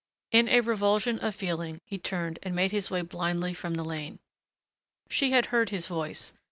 In a revulsion of feeling he turned and made his way blindly from the lane. She had heard his voice.